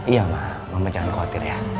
iya mbak mama jangan khawatir ya